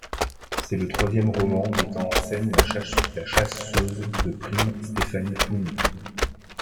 C'est le troisième roman mettant en scène la chasseuse de primes, Stephanie Plum.